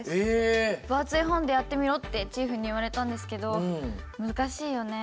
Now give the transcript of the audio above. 「分厚い本でやってみろ」ってチーフに言われたんですけど難しいよね。